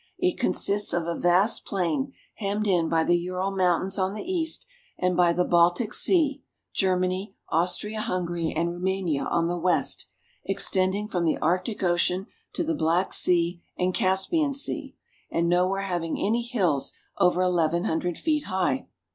It consists of a vast plain hemmed in by the Ural Mountains on the east, and by the Baltic Sea, Germany Austria Hungary, and Roumania on the west, extending from the Arctic Ocean to the Black Sea and Caspian Sea, and nowhere having any hills over eleven hundred feet high.